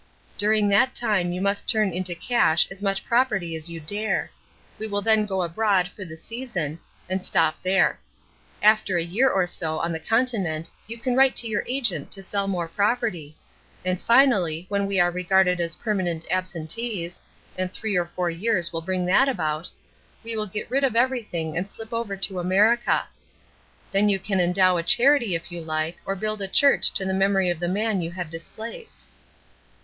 During that time you must turn into cash as much property as you dare. We will then go abroad for the 'season' and stop there. After a year or so on the Continent you can write to our agent to sell more property; and, finally, when we are regarded as permanent absentees and three or four years will bring that about we will get rid of everything, and slip over to America. Then you can endow a charity if you like, or build a church to the memory of the man you have displaced."